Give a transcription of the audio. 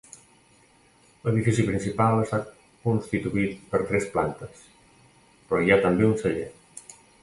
L'edifici principal està constituït per tres plantes, però hi ha també un celler.